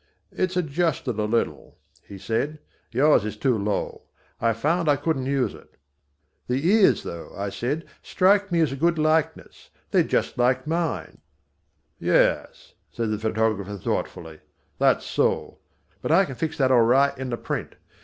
"It's adjusted a little," he said, "yours is too low. I found I couldn't use it." "The ears, though," I said, "strike me as a good likeness; they're just like mine." [Illustration: "Is it me?"] "Yes," said the photographer thoughtfully, "that's so; but I can fix that all right in the print.